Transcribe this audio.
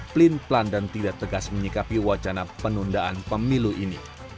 pelin pelan dan tidak tegas menyikapi wacana penundaan pemilu ini